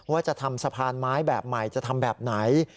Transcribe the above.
ว่าจะทำสะพานไม้แบบใหม่จะทำแบบไหน